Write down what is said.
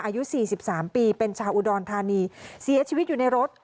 อายุสี่สิบสามปีเป็นชาวอุดรธานีเสียชีวิตอยู่ในรถ